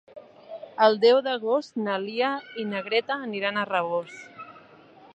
El deu d'agost na Lia i na Greta aniran a Rabós.